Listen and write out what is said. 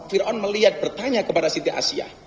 fir aun melihat bertanya kepada siti asyah